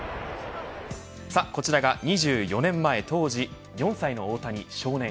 こちらが２４年前、当時４歳の大谷少年。